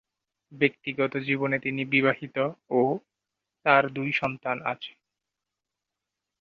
ব্যক্তিগত জীবনে তিনি বিবাহিত ও তার দুই সন্তান আছে।